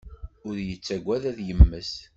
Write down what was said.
Ur yettagad ad yemmet.